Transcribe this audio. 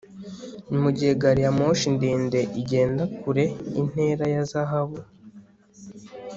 Mugihe gari ya moshi ndende igenda kure intera ya zahabu